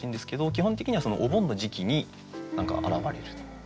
基本的にはお盆の時期に現れる。